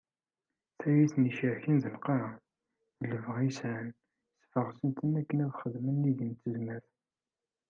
Tayri i ten-icerken d lqaεa, d lebɣi i sεan, sbeɣsen-ten akken ad xedmen nnig n tezmert.